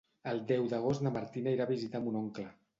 El deu d'agost na Martina irà a visitar mon oncle.